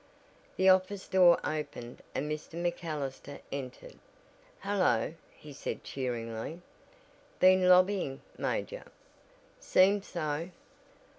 The office door opened and Mr. MacAllister entered. "Hullo!" he said cheerily. "Been lobbying, Major?" "Seems so."